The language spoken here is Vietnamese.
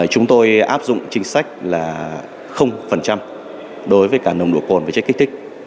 chúng tôi áp dụng chính sách là đối với cả nồng độ cồn và chất kích thích